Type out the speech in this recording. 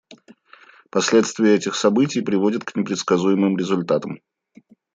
Последствия этих событий приводят к непредсказуемым результатам.